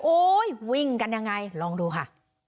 วิ่งกันยังไงลองดูค่ะ